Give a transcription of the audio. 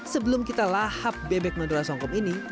sebelum kita lahap bebek madura songkong ini